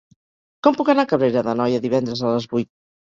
Com puc anar a Cabrera d'Anoia divendres a les vuit?